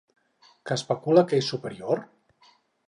Què especula que és superior?